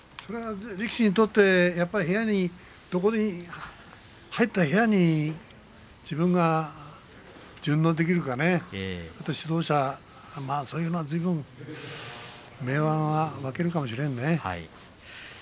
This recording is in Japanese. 力士にとって入った部屋によって自分が順応できるか指導者そういうのがずいぶん明暗分けるかもしれんね。